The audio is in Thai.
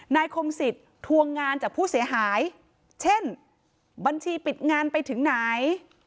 คมสิทธิ์ทวงงานจากผู้เสียหายเช่นบัญชีปิดงานไปถึงไหน